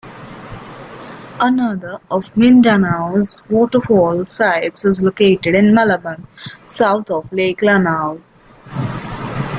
Another of Mindanao's waterfall sites is located in Malabang, south of Lake Lanao.